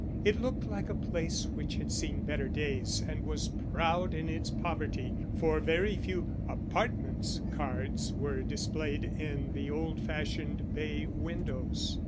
It looked like a place which had seen better days and was proud in its poverty, for very few "Apartments" cards were displayed in the old fashioned bay windows.